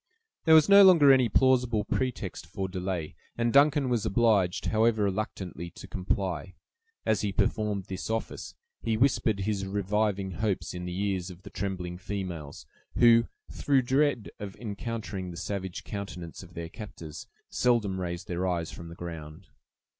There was no longer any plausible pretext for delay; and Duncan was obliged, however reluctantly, to comply. As he performed this office, he whispered his reviving hopes in the ears of the trembling females, who, through dread of encountering the savage countenances of their captors, seldom raised their eyes from the ground.